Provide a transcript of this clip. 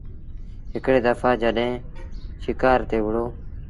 هڪڙي دڦآ جڏهيݩ شڪآر تي وهُڙو ۔